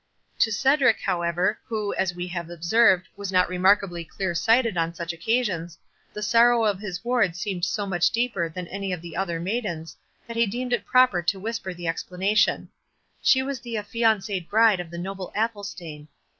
To Cedric, however, who, as we have observed, was not remarkably clear sighted on such occasions, the sorrow of his ward seemed so much deeper than any of the other maidens, that he deemed it proper to whisper the explanation—"She was the affianced bride of the noble Athelstane."